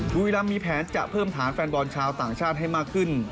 บุรีรำมีแผนจะเพิ่มฐานแฟนบอลชาวต่างชาติให้มากขึ้น